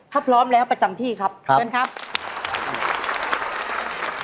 ถ้าพร้อมแล้วประจำที่ครับเดี๋ยวเรียนครับครับครับ